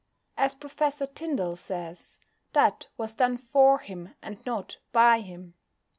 As Professor Tyndall says, "that was done for him, and not by him."